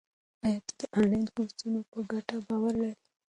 آیا ته د انلاین کورسونو په ګټه باور لرې؟